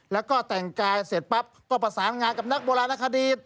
แล้วก็แต่งกายเสร็จปั๊บก็ประสานงานกับนักโบราณคดี